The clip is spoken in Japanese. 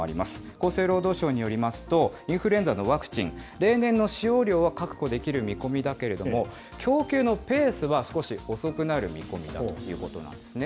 厚生労働省によりますと、インフルエンザのワクチン、例年の使用量は確保できる見込みだけれども、供給のペースは少し遅くなる見込みだということなんですね。